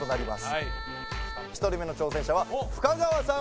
はい１人目の挑戦者は深川さん